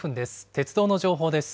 鉄道の情報です。